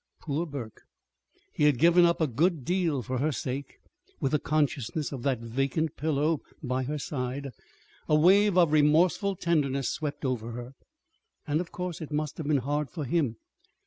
Poor Burke! He had given up a good deal for her sake. (With the consciousness of that vacant pillow by her side, a wave of remorseful tenderness swept over her.) And of course it must have been hard for him.